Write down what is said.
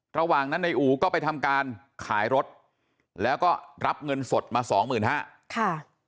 ระหว่างนั้นในอู๋ก็ไปทำการขายรถแล้วก็รับเงินสดมาสองหมื่นห้าค่ะ